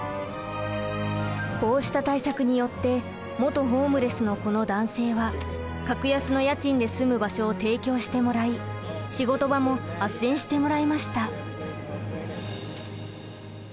こうした対策によって元ホームレスのこの男性は格安の家賃で住む場所を提供してもらい仕事場もあっせんしてもらいました。